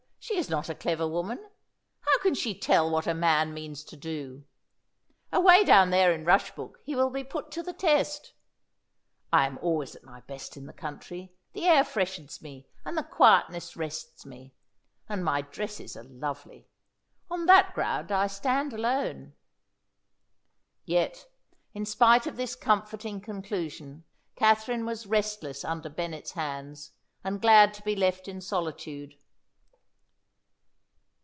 She is not a clever woman. How can she tell what a man means to do? Away down there in Rushbrook he will be put to the test. I am always at my best in the country; the air freshens me, and the quietness rests me. And my dresses are lovely on that ground I stand alone." Yet, in spite of this comforting conclusion, Katherine was restless under Bennet's hands, and glad to be left in solitude.